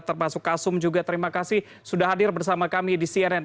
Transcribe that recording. termasuk kasum juga terima kasih sudah hadir bersama kami di cnn